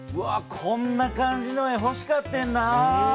こんな感じの絵ほしかってんな。